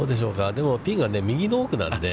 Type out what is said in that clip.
でも、ピンが右の奥なんで。